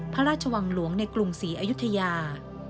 พระราชวังหลวงในกรุงศรีอยุธยา